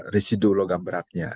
residu logam beratnya